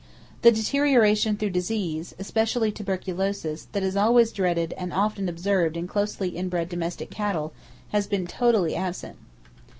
The deterioration through disease, especially tuberculosis, that always is dreaded and often observed in closely in bred domestic cattle, has been totally absent.